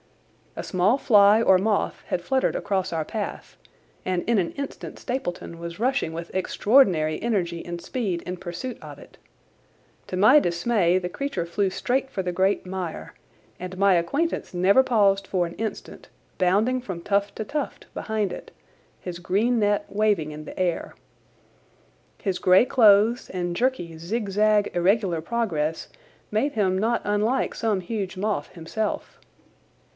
A small fly or moth had fluttered across our path, and in an instant Stapleton was rushing with extraordinary energy and speed in pursuit of it. To my dismay the creature flew straight for the great mire, and my acquaintance never paused for an instant, bounding from tuft to tuft behind it, his green net waving in the air. His grey clothes and jerky, zigzag, irregular progress made him not unlike some huge moth himself.